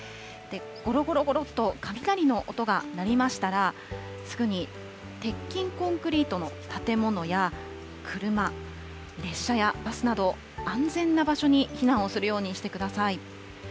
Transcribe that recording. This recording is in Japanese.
ごろごろごろっと雷の音が鳴りましたら、すぐに鉄筋コンクリートの建物や、車、列車やバスなど、安全な場所に避難をするようにしてください。